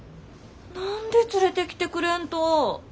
何で連れてきてくれんと。